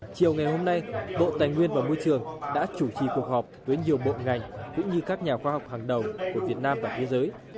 chiều ngày hôm nay bộ tài nguyên và môi trường đã chủ trì cuộc họp với nhiều bộ ngành cũng như các nhà khoa học hàng đầu của việt nam và thế giới